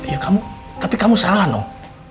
ya kamu tapi kamu salah dong